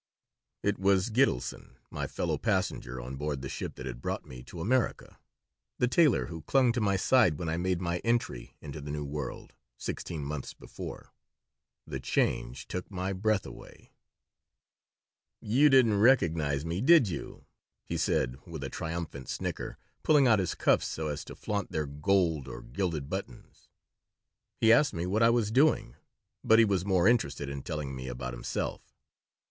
It was Gitelson, my fellow passenger on board the ship that had brought me to America, the tailor who clung to my side when I made my entry into the New World, sixteen months before The change took my breath away "You didn't recognize me, did you?" he said, with a triumphant snicker, pulling out his cuffs so as to flaunt their gold or gilded buttons He asked me what I was doing, but he was more interested in telling me about himself.